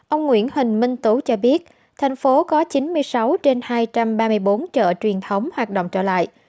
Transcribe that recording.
ông nguyễn huỳnh minh tú cho biết thành phố có chín mươi sáu trên hai trăm ba mươi bốn chợ truyền thống hoạt động trở lại